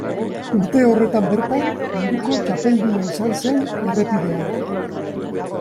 Urte horretan bertan, munduko txapelduna izan zen errepidean.